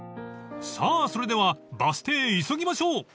［さあそれではバス停へ急ぎましょう］